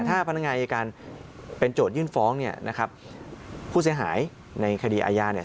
ถ้าพนักงานอายการเป็นโจทยื่นฟ้องเนี่ยนะครับผู้เสียหายในคดีอาญาเนี่ย